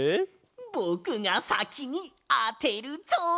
ぼくがさきにあてるぞ！